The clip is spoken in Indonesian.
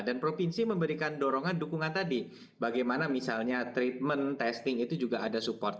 dan provinsi memberikan dorongan dukungan tadi bagaimana misalnya treatment testing itu juga ada support